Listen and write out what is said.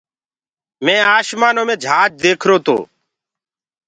مينٚ آشمآنو مي جھآج ديکرو تو۔